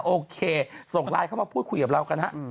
โอเคส่งไลน์เข้ามาพูดคุยกับเรากันฮะ